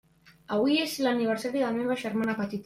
Avui és l'aniversari de la meva germana petita.